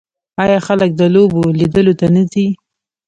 آیا خلک د لوبو لیدلو ته نه ځي؟